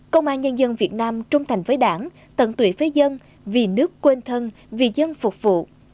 công an nhân dân việt nam trung thành với đảng tận tụy với dân vì nước quên thân vì dân phục vụ